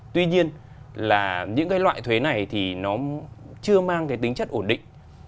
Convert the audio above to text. tuy nhiên là những cái loại thuế này thì nó chưa mang cái tính chất ổn định